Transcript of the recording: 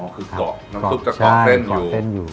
คือน้ำซุปจะกรอกเส้นอยู่